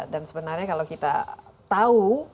dan sebenarnya kalau kita tahu